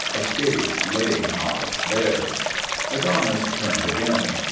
Escape lay not there. Adonis turned again.